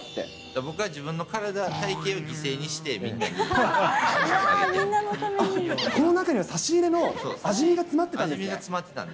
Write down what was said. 僕が自分の体、体形を犠牲にあっ、この中には差し入れの味見が詰まってたんですね？